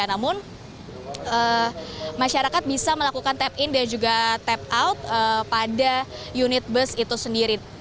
namun masyarakat bisa melakukan tap in dan juga tap out pada unit bus itu sendiri